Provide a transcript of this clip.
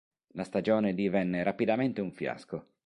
La stagione divenne rapidamente un fiasco.